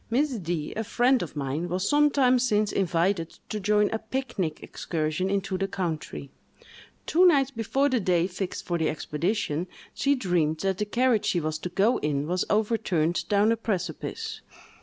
Miss D——, a friend of mine, was some time since invited to join a pic nic excursion into the country. Two nights before the day fixed for the expedition, she dreamed that the carriage she was to go in was overturned down a precipice.